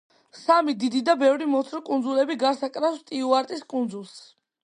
სამი დიდი და ბევრი მომცრო კუნძულები გარს აკრავს სტიუარტის კუნძულს.